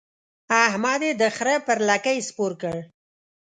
احمد يې د خره پر لکۍ سپور کړ.